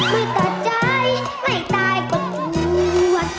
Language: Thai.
ไม่ตัดใจไม่ตายก็จวน